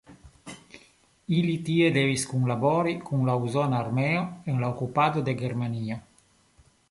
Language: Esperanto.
Ili tie devis kunlabori kun la usona armeo en la okupado de Germanio.